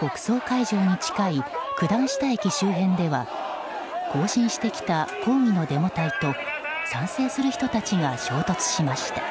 国葬会場に近い九段下駅周辺では行進してきた抗議のデモ隊と賛成する人たちが衝突しました。